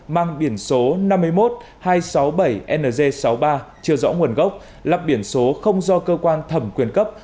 mang biển số năm mươi một hai trăm sáu mươi bảy nz sáu mươi ba chưa rõ nguồn gốc lập biển số không do cơ quan thẩm quyền cấp